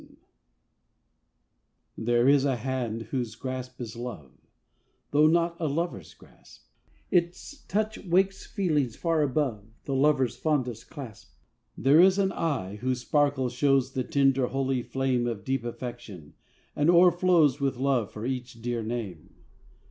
_ There is a hand, whose grasp is love, Though not a lover's grasp; Its touch wakes feelings far above The lover's fondest clasp. There is an eye, whose sparkle shows The tender holy flame Of deep affection, and o'erflows With love for each dear name.